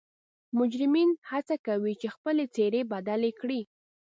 مجرمین حڅه کوي چې خپلې څیرې بدلې کړي